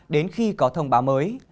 đến khi có thông báo mới